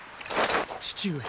父上！